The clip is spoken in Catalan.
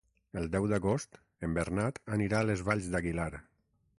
El deu d'agost en Bernat anirà a les Valls d'Aguilar.